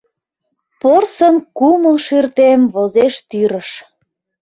Порсын кумыл-шӱртем возеш тӱрыш.